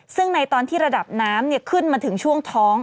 ซึ่งในตอนที่ระดับน้ำขึ้นมาถึงช่วงท้อง